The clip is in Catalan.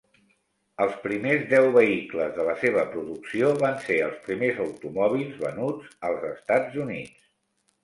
Els primers deu vehicles de la seva producció van ser els primers automòbils venuts als Estats Units.